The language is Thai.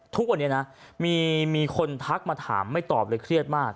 ทุกวันนี้นะมีคนทักมาถามไม่ตอบเลยเครียดมาก